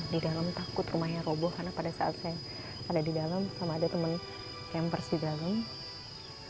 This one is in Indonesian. di dalam takut rumahnya roboh karena pada saat saya ada di dalam sama ada teman campers di dalam